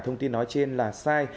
thông tin nói trên là sai